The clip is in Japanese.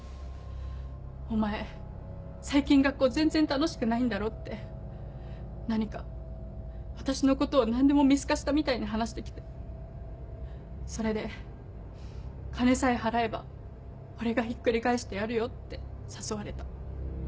「お前最近学校全然楽しくないんだろ？」って何か私のことを何でも見透かしたみたいに話してきてそれで「金さえ払えば俺がひっくり返してやるよ」って誘われた。